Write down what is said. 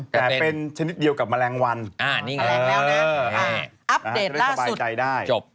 แต่เป็นชนิดเดียวกับแมลงวันแถลงแล้วนะอัปเดตล่าสุด